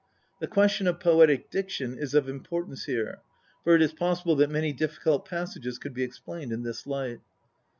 The question of poetic diction is of importance here, for it is possible that many difficult passages could be explained in this light.